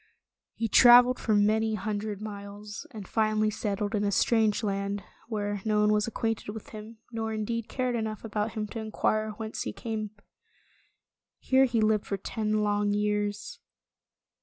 He traveled for many hundred miles, and finally settled in a strange land, where no one was acquainted with him, nor indeed cared enough about him to inquire whence he came. Here he lived for ten long years.